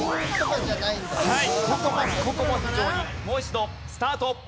もう一度スタート。